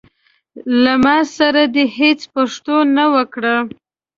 له ما سره دي هيڅ پښتو نه وکړه.